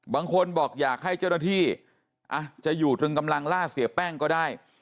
บางคนบอกอยากให้เจ้าหน้าที่จะอยู่ตรึงกำลังล่าเสียแป้งก็ได้